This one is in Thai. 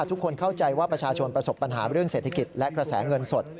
ทุกคนเข้าใจว่าประชาชนประสบปัญหาเรื่องเศรษฐกิจและกระแสเงินสด